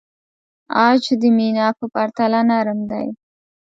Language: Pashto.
عاج د مینا په پرتله نرم دی.